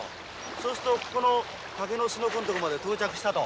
そうするとここの竹のすのこのとこまで到着したと。